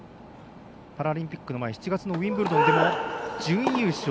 パラリンピックの前７月のウィンブルドンでも準優勝。